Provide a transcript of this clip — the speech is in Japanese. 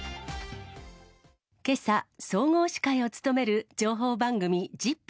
けさ、総合司会を務める情報番組、ＺＩＰ！